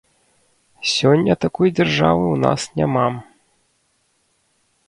Сёння такой дзяржавы ў нас няма.